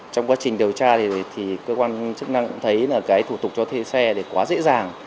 trong quá trình điều tra thì cơ quan chức năng cũng thấy là cái thủ tục cho thuê xe thì quá dễ dàng